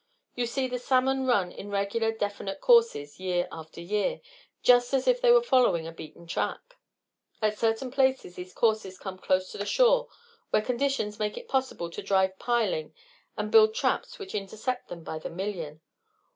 You see, the salmon run in regular definite courses, year after year, just as if they were following a beaten track. At certain places these courses come close to the shore where conditions make it possible to drive piling and build traps which intercept them by the million.